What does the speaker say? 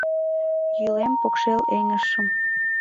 Йӱлем покшел эҥыжшым